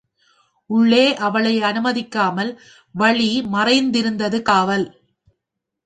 உள்ளே அவளை அனுமதிக்காமல் வழி மறைத்திருந்தது காவல்.